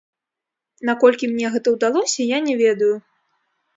Наколькі мне гэта ўдалося, я не ведаю.